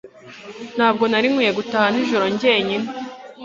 Ntabwo nari nkwiye gutaha nijoro jyenyine